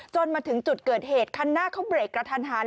มาถึงจุดเกิดเหตุคันหน้าเขาเบรกกระทันหัน